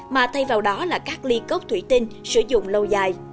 mà thay vào đó là các ly cốc thủy tinh sử dụng lâu dài